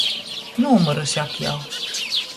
Nūmyruse ak jau.